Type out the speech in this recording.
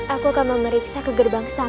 aku akan memeriksa ke gerbang sana